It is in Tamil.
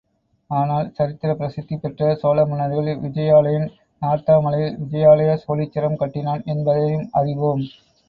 ஆனால், சரித்திரப் பிரசித்தி பெற்ற சோழ மன்னர்களில் விஜயாலயன், நார்த்தாமலையில் விஜயாலய சோழீச்சரம் கட்டினான் என்பதையும் அறிவோம்.